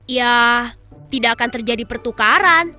ya tidak akan terjadi pertukaran